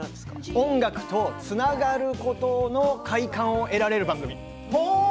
音楽とつながることで快感を得られる番組。